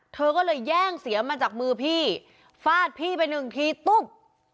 เธอก็เลยแย่งเสียมาจากมือพี่ฟาดพี่ไปหนึ่งทีตุ๊บ